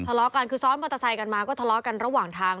ทะเลาะกันคือซ้อนมอเตอร์ไซค์กันมาก็ทะเลาะกันระหว่างทาง